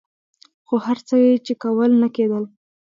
خو هر څه یې چې کول نه کېدل.